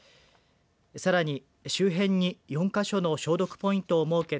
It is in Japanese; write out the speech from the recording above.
さらに周辺に４か所の消毒ポイントを設け